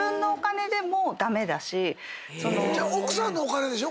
奥さんのお金でしょ？